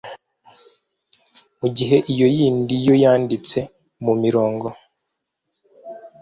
mu gihe iyo yindi yo yanditse mu mirongo.